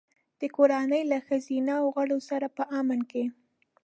د کورنۍ له ښځینه غړو سره په امن کې.